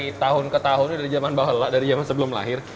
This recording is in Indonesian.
dari tahun ke tahunnya dari zaman dari zaman sebelum lahir